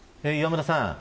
磐村さん。